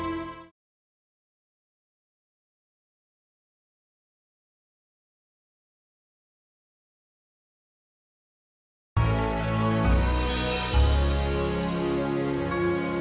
dan cara pembesaran ini finalement menjujurit duit mae